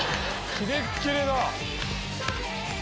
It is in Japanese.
キレキレだ！